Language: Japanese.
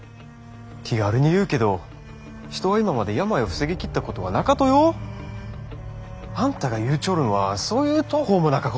気軽に言うけど人は今まで病を防ぎきったことはなかとよ！あんたが言うちょるんはそういう途方もなかこったい！